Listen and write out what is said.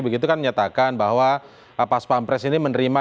begitu kan menyatakan bahwa paspapres ini menerima